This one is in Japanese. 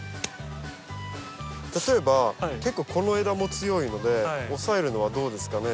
例えば結構この枝も強いので抑えるのはどうですかね？